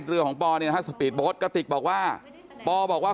เรือของปอบทกติกบอกว่าปอบอกว่า